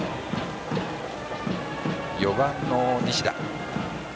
４番の西田